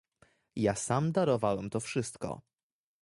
"Ja sam darowałem to wszystko."